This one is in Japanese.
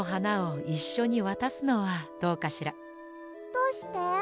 どうして？